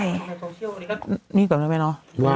ในโซเชียลก็นี่แบบนั้นไหมเนอะ